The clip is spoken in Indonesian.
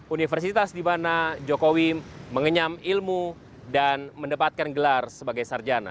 universitas di mana jokowi mengenyam ilmu dan mendapatkan gelar sebagai sarjana